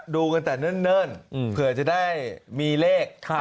ดูกันแต่เนิ่นเผื่อจะได้มีเลข